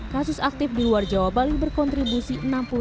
kasus aktif di luar jawa bali berkontribusi